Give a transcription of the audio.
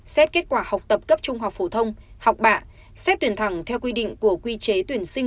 xét kết quả học tập cấp trung học phổ thông học bạ xét tuyển thẳng theo quy định của quy chế tuyển sinh